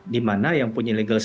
di mana yang punya legalisasi